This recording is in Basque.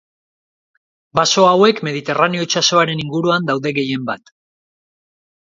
Baso hauek Mediterraneo itsasoaren inguruan daude gehienbat.